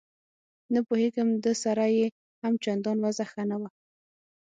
نه پوهېږم ده سره یې هم چندان وضعه ښه نه وه.